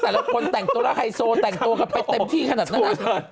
แต่ละคนแต่งตัวละไฮสูแต่งกันไปเต็มที่ขนาดนั้น